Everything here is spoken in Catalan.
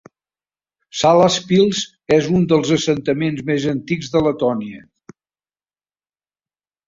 Salaspils és un dels assentaments més antics de Letònia.